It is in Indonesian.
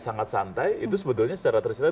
sangat santai itu sebetulnya secara tersirat